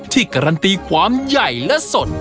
ที่กรัคตีความใหญ่และสด